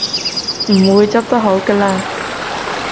唔會執得好嘅喇